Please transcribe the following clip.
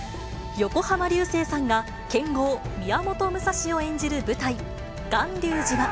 横浜流星さんが剣豪、宮本武蔵を演じる舞台、巌流島。